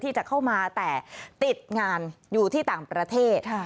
ที่จะเข้ามาแต่ติดงานอยู่ที่ต่างประเทศ